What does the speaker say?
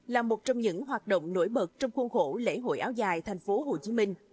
là một trong những hoạt động nổi bật trong khuôn khổ lễ hội áo dài tp hcm